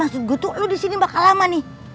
maksud gue tuh lo disini bakal lama nih